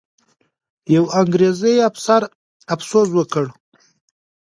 یو انګریزي افسر افسوس وکړ.